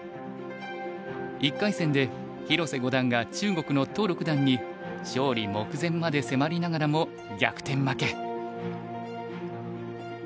１回戦で広瀬五段が中国の屠六段に勝利目前まで迫りながらも逆転負け。